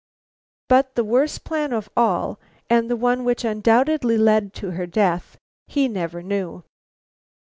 But the worst plan of all and the one which undoubtedly led to her death, he never knew.